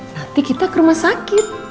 hati kita ke rumah sakit